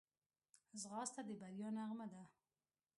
ځغاسته د بریا نغمه ده